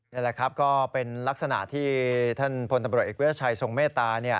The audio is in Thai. นี่แหละครับก็เป็นลักษณะที่ท่านพลตำรวจเอกวิทยาชัยทรงเมตตา